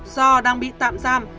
do đang bị tạm giam